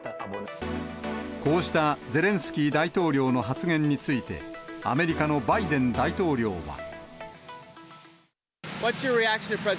こうしたゼレンスキー大統領の発言について、アメリカのバイデン大統領は。